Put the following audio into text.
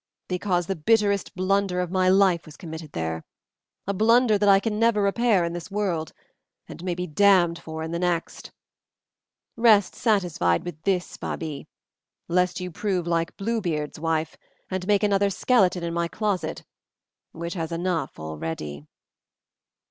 "Because the bitterest blunder of my life was committed there a blunder that I never can repair in this world, and may be damned for in the next. Rest satisfied with this, Babie, lest you prove like Bluebeard's wife, and make another skeleton in my closet, which has enough already."